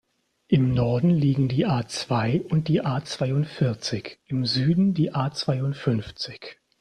Im Norden liegen die A-zwei und die A-zweiundvierzig, im Süden die A-zweiundfünfzig.